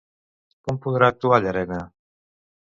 Com podrà actuar Llarena?